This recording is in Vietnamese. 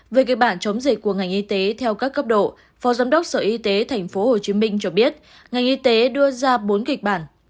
về kịch bản chống dịch của ngành y tế theo các cấp độ phó giám đốc sở y tế tp hcm cho biết ngành y tế đưa ra bốn kịch bản